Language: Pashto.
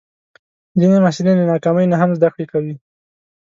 ځینې محصلین له ناکامۍ نه هم زده کړه کوي.